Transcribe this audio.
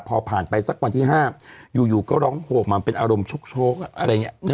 พอผ่านไปสักวันที่๕อยู่ก็ร้องโหมาเป็นอารมณ์ชกอะไรอย่างนี้